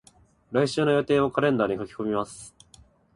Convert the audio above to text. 来週の予定をカレンダーに書き込みます。